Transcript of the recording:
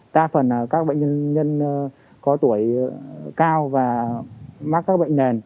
đa phần là các bệnh nhân có tuổi cao và mắc các bệnh nền